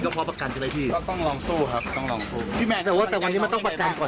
ก็พี่ยังไม่รู้แล้วคำสั่งวันนี้มันคืออะไรเพราะว่ามีคนมีเหตุคนอื่น